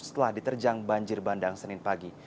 setelah diterjang banjir bandang senin pagi